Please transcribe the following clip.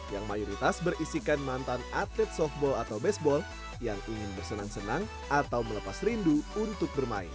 yang mayoritas berisikan mantan atlet softball atau baseball yang ingin bersenang senang atau melepas rindu untuk bermain